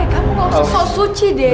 kamu gak usah soal suci deh